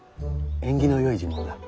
縁起のよい呪文だ。